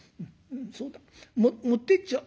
そうだ持ってっちゃおう。